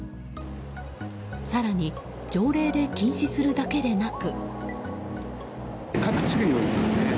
更に条例で禁止するだけでなく。